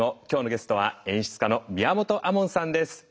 今日のゲストは演出家の宮本亞門さんです。